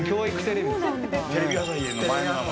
テレビ朝日の前の名前。